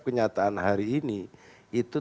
kenyataan hari ini itu